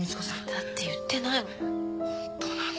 だって言ってないもん。